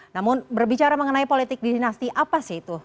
namun berbicara mengenai politik di dinasti apa sih itu